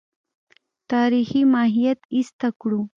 تاریخي ماهیت ایسته کړو.